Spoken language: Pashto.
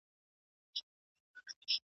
کابل او سوات زموږ د شریک کلتور نښې دي.